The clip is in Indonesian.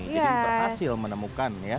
jadi berhasil menemukan ya